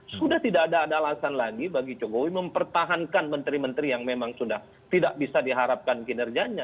sudah tidak ada alasan lagi bagi jokowi mempertahankan menteri menteri yang memang sudah tidak bisa diharapkan kinerjanya